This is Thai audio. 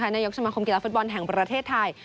นายกสมาคมกีฬาฟุตบอลแห่งประเทศไทย